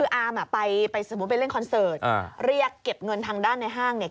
คืออามอ่ะไปสมมุติไปเล่นคอนเสิร์ตเรียกเก็บเงินทางด้านในห้างเนี่ย